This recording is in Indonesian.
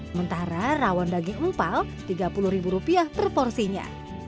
sementara rawon daging empal rp tiga puluh per porsinya